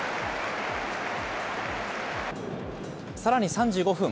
さらに３５分。